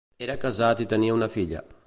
Era casat i tenia una filla.